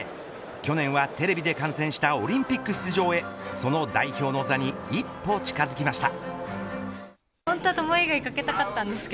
去年はテレビで観戦したオリンピック出場へその代表の座に一歩近づきました。